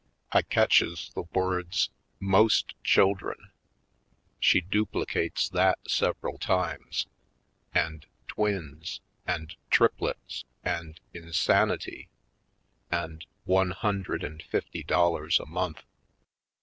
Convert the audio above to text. I catches the words: ^^most children" — she duplicates that several times — and "twins" and "trip lets" and "insanity" and "one hundred and fifty dollars a month."